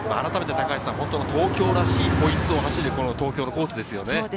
東京らしいポイントを走る東京のコースですよね。